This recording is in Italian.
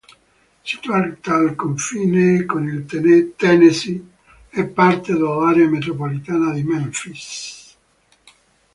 Situata al confine con il Tennessee, è parte dell'area metropolitana di Memphis.